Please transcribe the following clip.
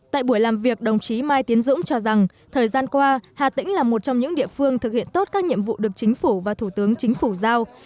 tại buổi làm việc đồng chí mai tiến dũng cho rằng thời gian qua hà tĩnh là một trong những địa phương thực hiện tốt các nhiệm vụ được chính phủ và thủ tướng chính phủ giao